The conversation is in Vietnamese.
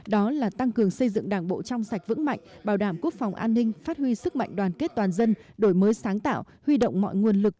đó là tăng cường xây dựng đảng bộ trong sạch vững mạnh bảo đảm quốc phòng an ninh phát huy sức mạnh đoàn kết toàn dân đổi mới sáng tạo huy động mọi nguồn lực